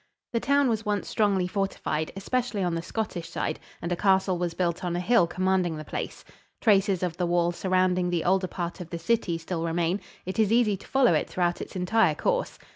The town was once strongly fortified, especially on the Scottish side, and a castle was built on a hill commanding the place. Traces of the wall surrounding the older part of the city still remain; it is easy to follow it throughout its entire course.